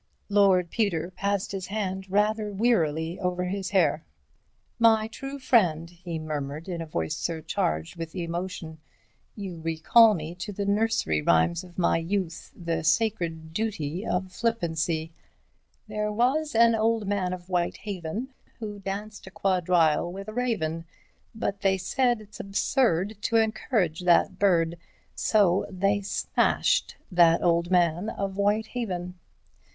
Lord Peter passed his hand rather wearily over his hair. "My true friend," he murmured, in a voice surcharged with emotion, "you recall me to the nursery rhymes of my youth—the sacred duty of flippancy: 'There was an old man of Whitehaven Who danced a quadrille with a raven, But they said: It's absurd To encourage that bird— So they smashed that old man of Whitehaven.'